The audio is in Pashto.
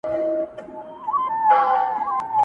باطل پرستو په مزاج ډېره تره خه یم کنې,